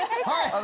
はい！